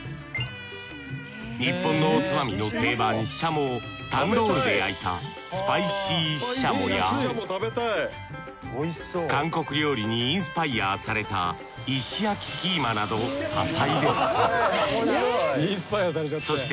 日本のおつまみの定番ししゃもをタンドールで焼いたスパイシーししゃもや韓国料理にインスパイアーされた石焼きキーマなど多彩ですインスパイアーされちゃって。